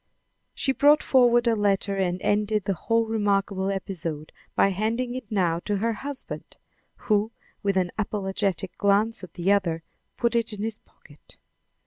She brought forward a letter and ended the whole remarkable episode by handing it now to her husband, who, with an apologetic glance at the other, put it in his pocket.